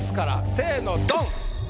せぇのドン！